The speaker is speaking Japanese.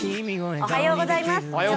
おはようございます。